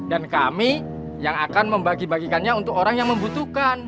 dan kami yang akan membagi bagikannya untuk orang yang membutuhkan